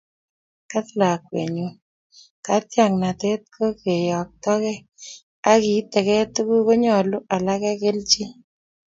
Kas lakwenyu, katiaknatet ko keyoktokei ak ietekei tuguk konyoru alake kelchin